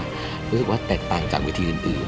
รู้สึกว่าแตกต่างจากวิธีอื่น